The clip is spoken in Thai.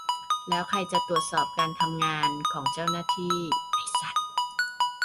แล้วใครจะตรวจสอบการทำงานของเจ้าหน้าที่ ? ไอ้สัส